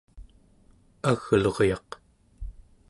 agluryaq